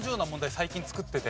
最近作ってて。